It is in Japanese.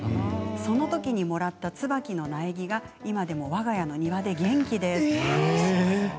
その時にもらった椿の苗木が今でもわが家の庭で元気です。